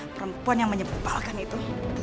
perempuan yang menyebalkan itu